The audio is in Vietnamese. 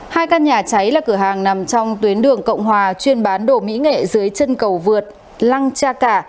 hai căn nhà cháy là cửa hàng nằm trong tuyến đường cộng hòa chuyên bán đồ mỹ nghệ dưới chân cầu vượt lăng cha cả